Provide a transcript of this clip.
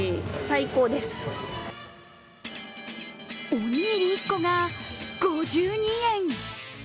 おにぎり１個が５２円。